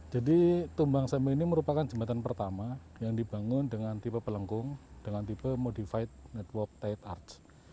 jadi tumbang samba ini merupakan jembatan pertama yang dibangun dengan tipe pelengkung dengan tipe modified network tide art